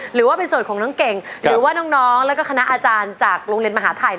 หรือว่าเป็นส่วนของน้องเก่งหรือว่าน้องแล้วก็คณะอาจารย์จากโรงเรียนมหาทัย